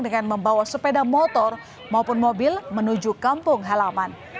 dengan membawa sepeda motor maupun mobil menuju kampung halaman